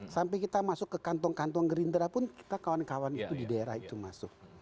sampai kita masuk ke kantong kantong gerindra pun kita kawan kawan itu di daerah itu masuk